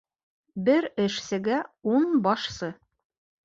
Бер эшсегә ун башсы.